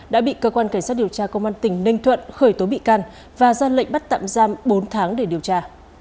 đã bị cơ quan cảnh sát điều tra công an tỉnh ninh thuận khởi tố bị can và ra lệnh bắt tạm giam bốn tháng để điều tra